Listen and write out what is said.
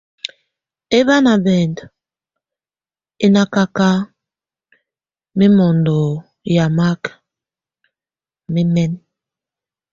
Ebá na bɛnd enákaka mɛ mondo yamak, mɛ mɛn.